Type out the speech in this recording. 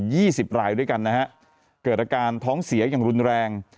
สิบรายด้วยกันนะฮะเกิดอาการท้องเสียอย่างรุนแรง